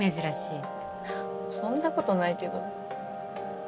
そんな事ないけど。